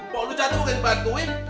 pok lu jatuh mau dibantuin